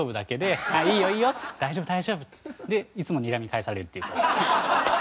でいつもにらみ返されるっていう。